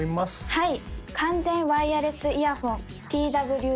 はい完全ワイヤレスイヤホン